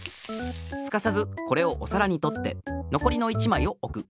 すかさずこれをおさらにとってのこりの１まいをおく。